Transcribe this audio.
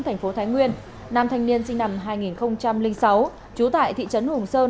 thành phố thái nguyên nam thanh niên sinh năm hai nghìn sáu trú tại thị trấn hùng sơn